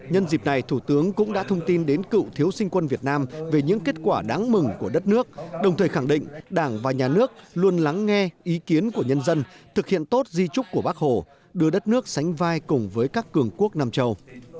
nhân dịp này thủ tướng cũng đã thông tin đến cựu thiếu sinh quân việt nam về những kết quả đáng mừng của đất nước đồng thời khẳng định đảng và nhà nước luôn lắng nghe ý kiến của nhân dân thực hiện tốt di trúc của bác hồ đưa đất nước sánh vai cùng với các cường quốc nam châu